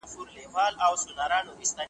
سر تر نوکه وو خالق ښکلی جوړ کړی .